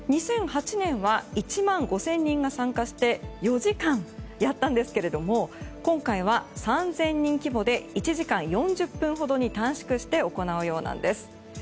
２００８年は１万５０００人が参加して４時間やったんですけれども今回は３０００人規模で１時間４０分ほどに短縮して行うようです。